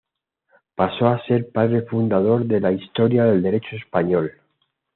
Pasó a ser el padre fundador de la Historia del derecho español.